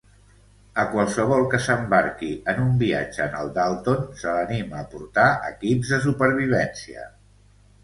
A qualsevol que s'embarqui en un viatge en el Dalton se l'anima a portar equips de supervivència.